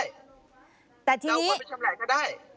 เอาก่อนไปชำแหลกก็ได้